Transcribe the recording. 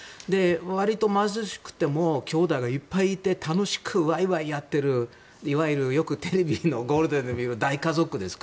割と貧しくても兄弟がいっぱいいて、楽しくわいわいやってる、いわゆるよくテレビのゴールデンで見る大家族ですか。